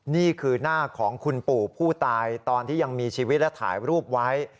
นี่คือหน้าของคุณปู่ผู้ตายตอนที่ยังมีชีวิตและถ่ายรูปไว้